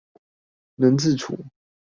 能自處